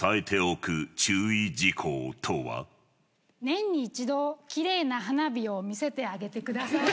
年に一度きれいな花火を見せてあげてください。